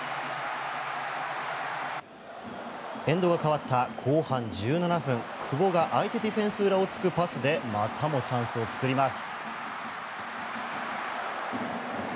エンドが変わった後半１７分久保が相手ディフェンス裏を突くパスでまたもチャンスを作ります。